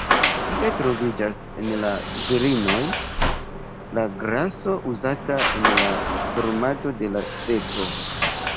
Tie troviĝas, en la virinoj, la graso uzata en la formado de la feto.